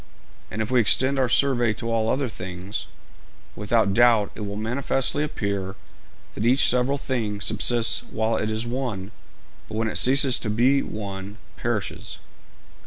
And if we extend our survey to all other things, without doubt it will manifestly appear that each several thing subsists while it is one, but when it ceases to be one perishes.'